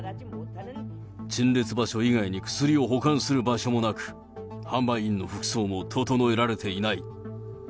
陳列場所以外に薬を保管する場所もなく、販売員の服装も整えられていない。